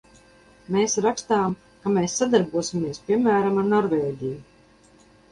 Mēs rakstām, ka mēs sadarbosimies, piemēram, ar Norvēģiju.